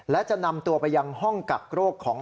และจะนำตัวไปยังห้องกักโรคของ